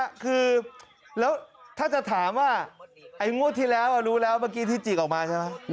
คือแล้วถ้าจะถามว่าไอ้งวดที่แล้วรู้แล้วเมื่อกี้ที่จิกออกมาใช่ไหม